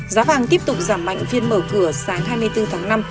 giá vàng tiếp tục giảm mạnh phiên mở cửa sáng hai mươi bốn tháng năm